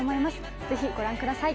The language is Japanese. ぜひご覧ください。